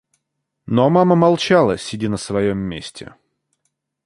Но мама молчала, сидя на своем месте.